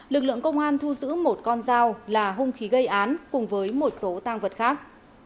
lực lượng công an thu giữ một con dao là hung khí gây án cùng với một số tăng vật khác